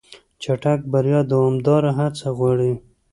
چټک بریا دوامداره هڅه غواړي.